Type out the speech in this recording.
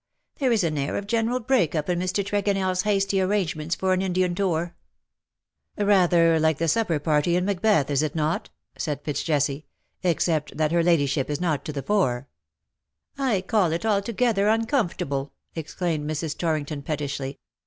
There is an air of general break>up in Mr. TregonelFs hasty arrangements for an Indian tour/' ^^ Rather like the supper party in Macbeth, is it not ?'' said EitzJesse, " except that her ladyship is not to the fore/^ " I call it altogether uncomfortable^'' exclaimed Mrs. Torrington, pettishly.